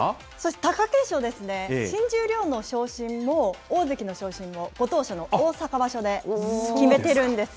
貴景勝ですね、新十両の昇進も、大関の昇進も、ご当所の大阪場所で決めてるんですよ。